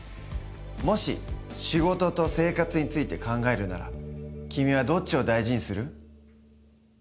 もし仕事と生活について考えるなら君はどっちを大事にする？